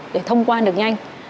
để thông quan được nhanh